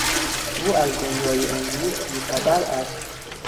او از دنیای امروز بیخبر است.